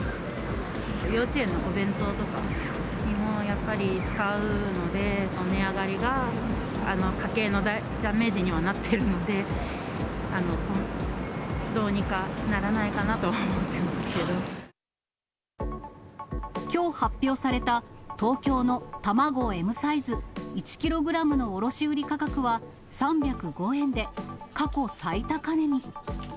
幼稚園のお弁当とかにも、やっぱり使うので、値上がりが家計のダメージにはなってるので、どうにかならないかきょう発表された、東京のたまごＭサイズ１キログラムの卸売り価格は３０５円で、過去最高値に。